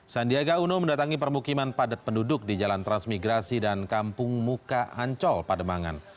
sandiaga uno mendatangi permukiman padat penduduk di jalan transmigrasi dan kampung muka ancol pademangan